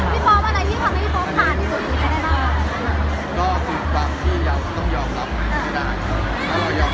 พี่พอล์วอะไรที่ทำให้พี่โฟล์คาลขี้จุดดีกันได้ได้บ้าง